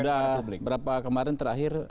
sudah beberapa kemarin terakhir